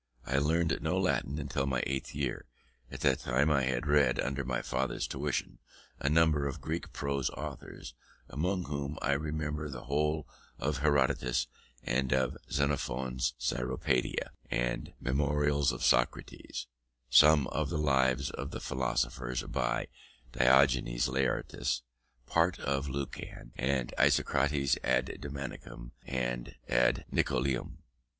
I learnt no Latin until my eighth year. At that time I had read, under my father's tuition, a number of Greek prose authors, among whom I remember the whole of Herodotus, and of Xenophon's Cyropaedia and Memorials of Socrates; some of the lives of the philosophers by Diogenes Laertius; part of Lucian, and Isocrates ad Demonicum and Ad Nicoclem.